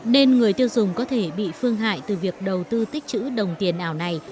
nên người tiêu dùng có thể bị phương hại từ việc đầu tư tích chữ đồng tiền ảo này